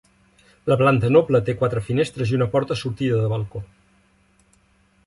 La planta noble té quatre finestres i una porta sortida de balcó.